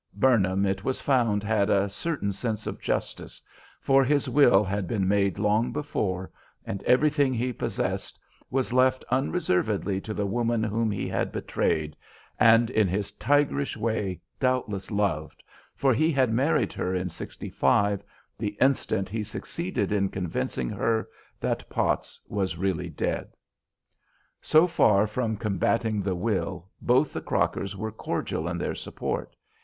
"Burnham," it was found, had a certain sense of justice, for his will had been made long before, and everything he possessed was left unreservedly to the woman whom he had betrayed and, in his tigerish way, doubtless loved, for he had married her in '65, the instant he succeeded in convincing her that Potts was really dead. So far from combating the will, both the Crockers were cordial in their support.